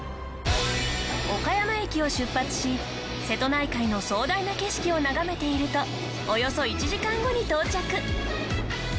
岡山駅を出発し瀬戸内海の壮大な景色を眺めているとおよそ１時間後に到着。